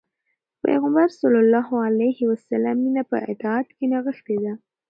د پيغمبر ﷺ مینه په اطاعت کې نغښتې ده.